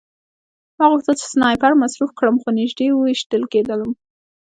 ما غوښتل چې سنایپر مصروف کړم خو نږدې ویشتل کېدم